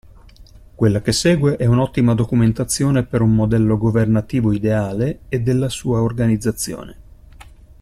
Quella che segue è un'ottima documentazione per un modello governativo ideale e della sua organizzazione.